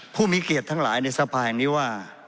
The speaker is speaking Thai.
ผู้มีเกียรติทั้งหลายในสภาแห่งนี้ว่า